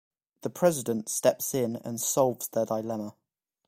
The President steps in and solves their dilemma.